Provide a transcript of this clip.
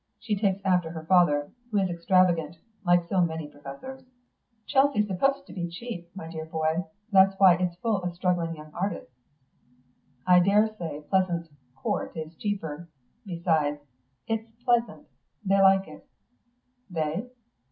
She takes after her father, who is extravagant, like so many professors." "Chelsea's supposed to be cheap, my dear boy. That's why it's full of struggling young artists." "I daresay Pleasance Court is cheaper. Besides, it's pleasant. They like it." "They?"